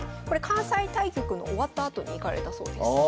これ関西対局の終わったあとに行かれたそうです。